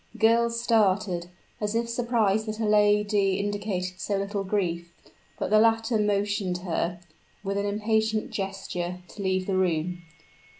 The girl started, as if surprised that her lady indicated so little grief; but the latter motioned her, with an impatient gesture, to leave the room.